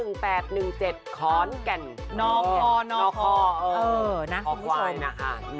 นค๑๘๑๗คกันนะคุณผู้ชมนค๑๘๑๗คกันนะค่ะ